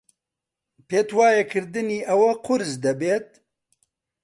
پێت وایە کردنی ئەوە قورس دەبێت؟